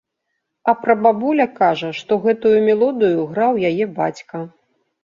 А прабабуля кажа, што гэтую мелодыю граў яе бацька.